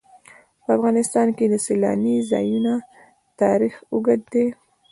په افغانستان کې د سیلانی ځایونه تاریخ اوږد دی.